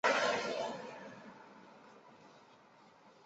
缅因号潜艇的母港为华盛顿州的基察普海军基地。